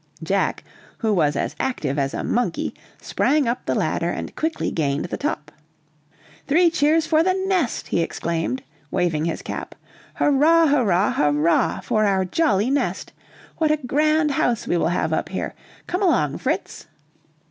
Jack, who was as active as a monkey, sprang up the ladder and quickly gained the top. "Three cheers for the nest!" he exclaimed, waving his cap. "Hurrah, hurrah, hurrah for our jolly nest! What a grand house we will have up here; come along, Fritz!"